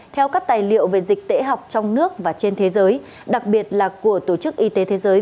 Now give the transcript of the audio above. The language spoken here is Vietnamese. theo các tài liệu về dịch tễ học trong nước và trên thế giới đặc biệt là của tổ chức y tế thế giới